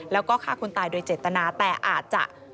แล้วก็ฆ่าคนตายโดยเจตนาแต่อาจจะ